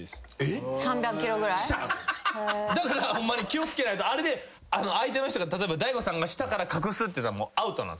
だからホンマに気を付けないとあれで相手の人が例えば大悟さんがしたから隠すっていうのはアウト。